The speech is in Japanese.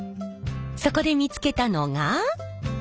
そこで見つけたのが。